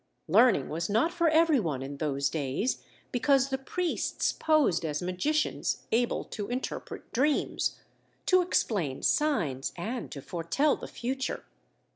Learning was not for everyone in those days because the priests posed as magicians able to interpret dreams, to explain signs, and to foretell the future.